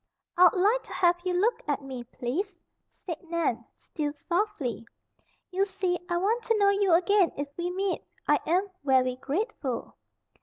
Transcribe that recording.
"I'd like to have you look at me, please," said Nan, still softly. "You see, I want to know you again if we meet. I am very grateful."